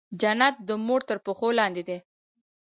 جنت د مور تر پښو لاندې دی